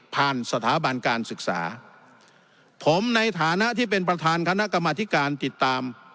สถาบันการศึกษาผมในฐานะที่เป็นประธานคณะกรรมธิการติดตาม